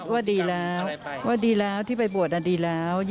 ว่าดีแล้วที่ไปบวชดีแล้ว